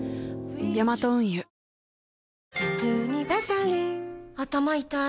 ヤマト運輸頭痛にバファリン頭痛い